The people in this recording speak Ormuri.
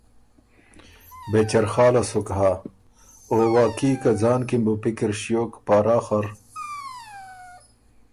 بې چرخاله سُک هۀ۔ او واقعي که ځان کی م بُو پِکِر ݭیوک پاراخه ر